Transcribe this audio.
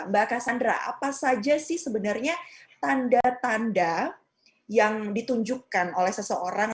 mbak cassandra apa saja sih sebenarnya tanda tanda yang ditunjukkan oleh seseorang